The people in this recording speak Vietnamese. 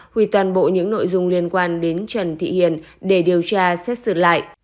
hủy toàn bộ những nội dung liên quan đến trần thị hiền để điều tra xét xử lại